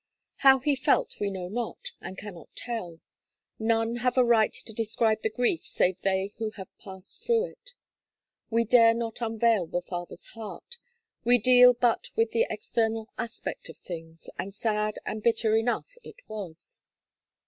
How he felt we know not, and cannot tell: none have a right to describe that grief save they who have passed through it; we dare not unveil the father's heart: we deal but with the external aspect of things, and sad and bitter enough it was.